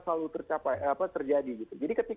selalu terjadi jadi